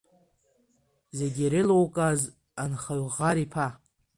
Зегь ирылукааз анхаҩ ӷар иԥа?